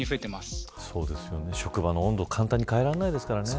職場の温度も簡単に変えられないですからね。